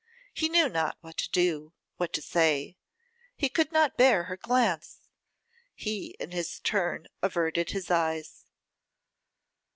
He knew not what to do; what to say. He could not bear her glance; he in his turn averted his eyes.